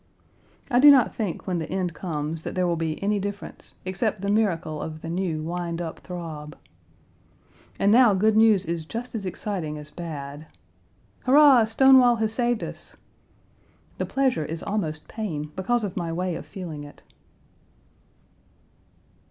I do not think when the end comes that Page 183 there will be any difference, except the miracle of the new wind up throb. And now good news is just as exciting as bad. "Hurrah, Stonewall has saved us!" The pleasure is almost pain because of my way of feeling it.